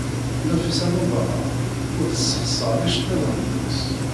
Nafisa n Ubeṛṛan ur tessexṣar iceḍḍiḍen-nnes.